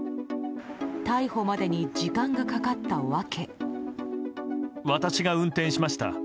逮捕までに時間がかかった訳。